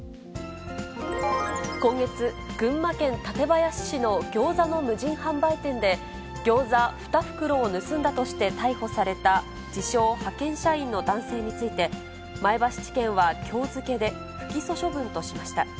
今月、群馬県館林市のギョーザの無人販売店で、ギョーザ２袋を盗んだとして逮捕された自称派遣社員の男性について、前橋地検はきょう付けで不起訴処分としました。